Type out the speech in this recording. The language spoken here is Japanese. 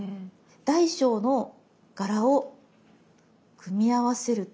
大小の柄を組み合わせると。